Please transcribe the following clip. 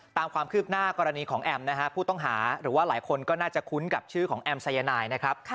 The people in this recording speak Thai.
ตามความคืบหน้ากรณีของแอมนะฮะผู้ต้องหาหรือว่าหลายคนก็น่าจะคุ้นกับชื่อของแอมสายนายนะครับ